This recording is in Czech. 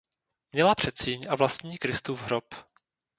Měla předsíň a vlastní Kristův hrob.